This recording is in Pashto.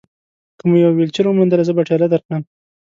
که مو یوه ویلچېر وموندله، زه به ټېله درکړم.